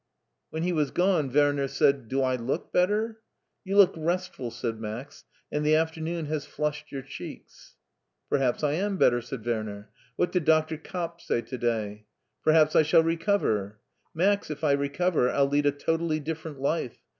When he was gone, Werner said, "Do I look better?" You look restful," said Max, " and the afternoon has flushed your cheeks." " Perhaps I am better," said Werner. " What did Doctor Kapp say to day? Perhaps I shaU recover. Max, if I recover, I'll lead a totally different life.